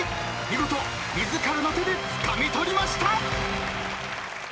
［見事自らの手でつかみ取りました！］